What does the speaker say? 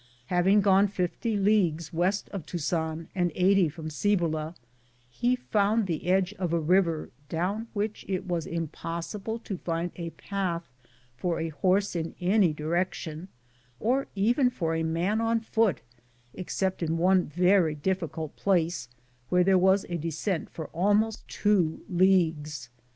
Having gone 60 leagues west of Tuzan, and 80 from Cibola, he found the edge of a river down which it was impossible to find a path for a horse in any direction, or even for a man on foot, except in one very difficult place, where there was a descent for almost 2 leagues.